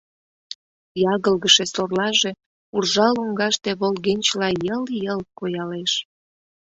Ягылгыше сорлаже уржа лоҥгаште волгенчыла йыл-йыл коялеш.